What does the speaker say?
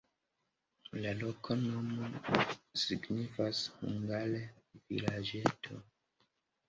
La loknomo signifas hungare: vilaĝeto.